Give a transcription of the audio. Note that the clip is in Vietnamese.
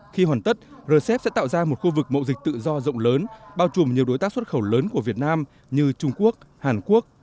khi hoàn tất rcep sẽ tạo ra một khu vực mậu dịch tự do rộng lớn bao trùm nhiều đối tác xuất khẩu lớn của việt nam như trung quốc hàn quốc